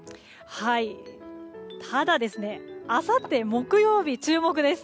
ただ、あさって木曜日注目です。